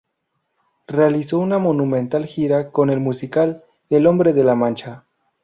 Realizó una monumental gira con el musical, "El hombre de La Mancha".